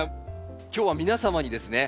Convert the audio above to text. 今日は皆様にですね